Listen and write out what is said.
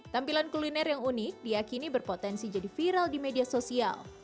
tampilan kuliner yang unik diakini berpotensi jadi viral di media sosial